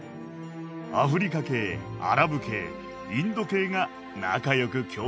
アフリカ系アラブ系インド系が仲良く共存している。